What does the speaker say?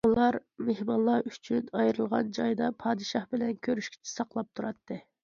ئۇلار مېھمانلار ئۈچۈن ئايرىلغان جايدا پادىشاھ بىلەن كۆرۈشكىچە ساقلاپ تۇراتتى.